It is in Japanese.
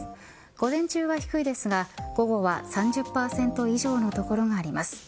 午前中は低いですが午後は３０％以上の所があります。